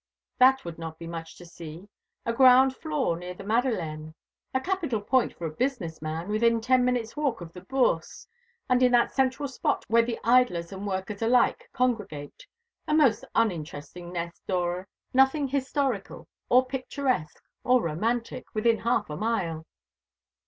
"That would not be much to see. A ground floor near the Madeleine. A capital point for a business man; within ten minutes' walk of the Bourse, and in that central spot where the idlers and the workers alike congregate. A most uninteresting nest, Dora; nothing historical, or picturesque, or romantic, within half a mile."